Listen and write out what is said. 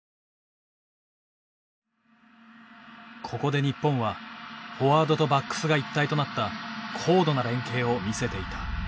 ここで日本はフォワードとバックスが一体となった高度な連携を見せていた。